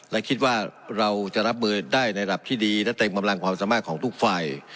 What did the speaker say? และคิดว่าเราจะรับมือได้ในระดับที่ดีและเต็มกำลังความสามารถของทุกฝ่าย